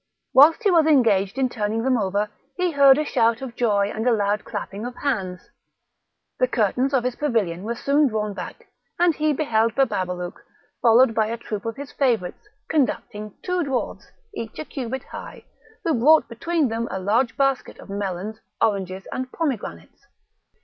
Whilst he was engaged in turning them over he heard a shout of joy and a loud clapping of hands; the curtains of his pavilion were soon drawn back, and he beheld Bababalouk, followed by a troop of his favourites, conducting two dwarfs, each a cubit high, who brought between them a large basket of melons, oranges, and pomegranates.